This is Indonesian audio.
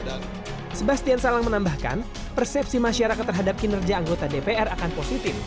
dan salam menambahkan persepsi masyarakat terhadap kinerja anggota dpr akan positif